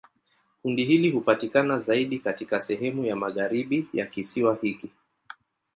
Kundi hili hupatikana zaidi katika sehemu ya magharibi ya kisiwa hiki.